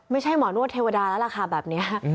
ไม่ใช่หมอนวดเทวดาแล้วล่ะค่ะแบบนี้